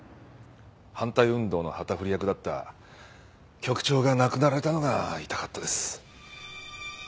反対運動の旗振り役だった局長が亡くなられたのが痛かったです。